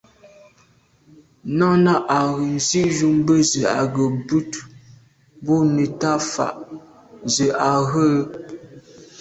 Náná à’ghə̀ zí’jú mbə́zə̄ á gə̄ bút búù nə̀táà fà’ zə̀ á Rə́ə̀.